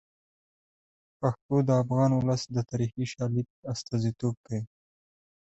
پښتو د افغان ولس د تاریخي شالید استازیتوب کوي.